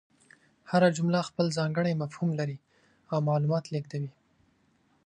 هره جمله خپل ځانګړی مفهوم لري او معلومات لېږدوي.